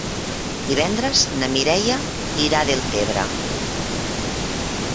Divendres na Mireia irà a Deltebre.